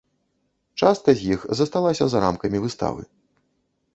Частка з іх засталася за рамкамі выставы.